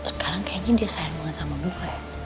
sekarang kayaknya dia sayang banget sama dukai